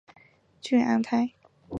布里昂泰。